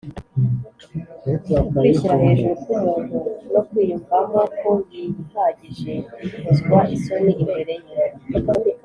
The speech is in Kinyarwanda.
. Ukwishyira hejuru k’umuntu no kwiyumvamo ko yihagije bikozwa isoni imbere Ye